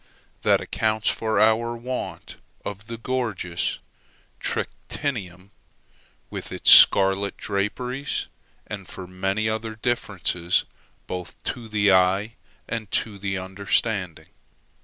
That accounts for our want of the gorgeous trictinium, with its scarlet draperies, and for many other differences both to the eye and to the understanding.